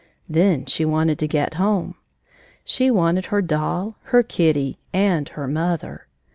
Then she wanted to get home. She wanted her doll, her kitty, and her mother!